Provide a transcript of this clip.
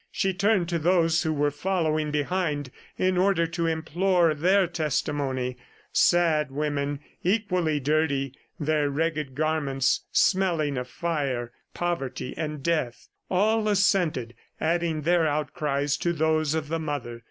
She turned to those who were following behind, in order to implore their testimony sad women, equally dirty, their ragged garments smelling of fire, poverty and death. All assented, adding their outcries to those of the mother.